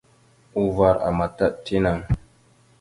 Uvar àmataɗ tinaŋ.